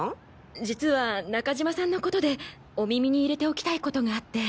実は中島さんのことでお耳に入れておきたいことがあって。